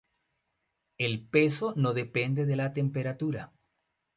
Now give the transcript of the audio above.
El peso no depende de la temperatura.